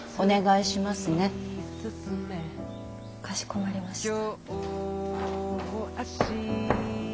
かしこまりました。